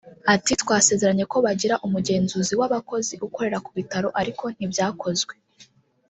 ati “ Twasezeranye ko bagira umugenzuzi w’abakozi ukorera ku bitaro ariko ntibyakozwe